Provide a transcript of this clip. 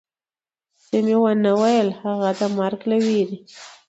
څه مې و نه ویل، هغه د مرګ له وېرې.